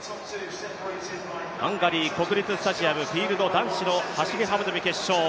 ハンガリー国立スタジアム、フィールド、男子の走幅跳決勝。